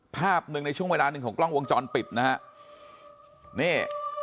ภาพหนึ่งในช่วงเวลาหนึ่งของกล้องวงจรปิดนะฮะนี่